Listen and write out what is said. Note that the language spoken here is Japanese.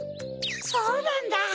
そうなんだ！